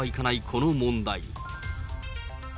この問題。